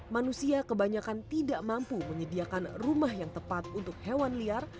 manusia kebanyakan tidak mampu menyediakan rumah yang tepat untuk hewan liar